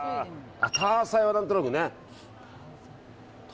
ターサイは何となくね。